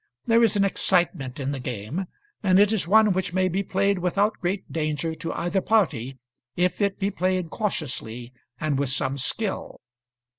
There is an excitement in the game; and it is one which may be played without great danger to either party if it be played cautiously and with some skill.